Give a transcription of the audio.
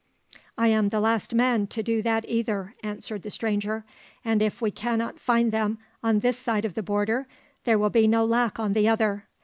"I am the last man to do that either," answered the stranger; "and if we cannot find them on this side of the border, there will be no lack on the other.